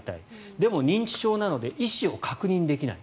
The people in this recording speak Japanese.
でも認知症なので意思も確認できない。